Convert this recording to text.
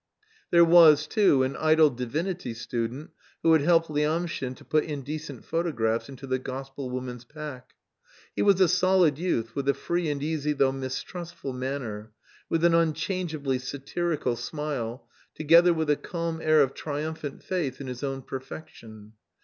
There was, too, an idle divinity student who had helped Lyamshin to put indecent photographs into the gospel woman's pack. He was a solid youth with a free and easy though mistrustful manner, with an unchangeably satirical smile, together with a calm air of triumphant faith in his own perfection.